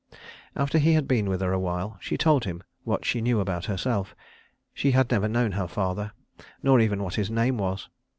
After he had been with her a while she told him what she knew about herself. She had never known her father, nor even what his name was.